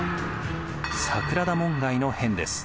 桜田門外の変です。